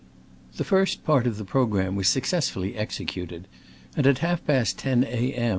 The first part of the programme was successfully executed ; and at half past ten A. M.